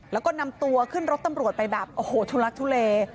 แล้วก็นำตัวขึ้นรถตำรวจไปแบบโอ้โหทุลักทุเล